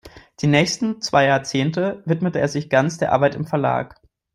Die nächsten zwei Jahrzehnte widmete er sich ganz der Arbeit im Verlag.